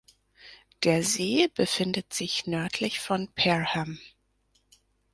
Der See befindet sich nördlich von Perham.